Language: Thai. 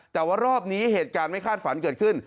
แต่ว่ารอบนี้เหตุการณ์ไม่คาดฝันเกิดขึ้น